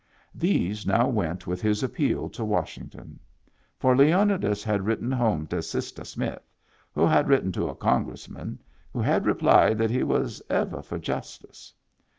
These now went with his appeal to Washington. For Leonidas had written home to Sistah Smith, who had writ ten to a Congressman, who had replied that he was ever for justice.